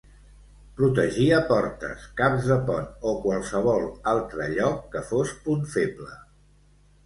Protegia portes, caps de pont o qualsevol altre lloc que fos punt feble.